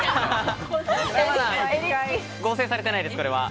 合成されてないです、これは。